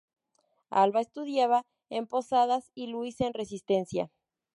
Alba estudiaba en Posadas y Luis en Resistencia.